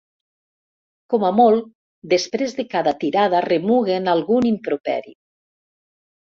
Com a molt, després de cada tirada remuguen algun improperi.